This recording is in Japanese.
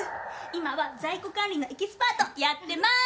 今は在庫管理のエキスパートやってまーす！